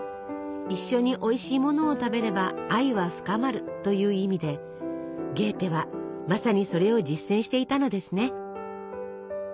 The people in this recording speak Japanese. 「一緒においしいものを食べれば愛は深まる」という意味でゲーテはまさにそれを実践していたのですね。